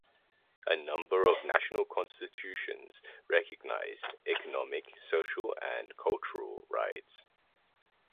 A number of national constitutions recognize economic, social and cultural rights.